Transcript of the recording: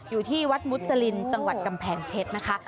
อยู่ที่วัดมุจรินจังหวัดกำแพงเพชรนะคะ